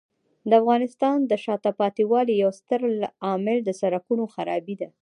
د افغانستان د شاته پاتې والي یو ستر عامل د سړکونو خرابۍ دی.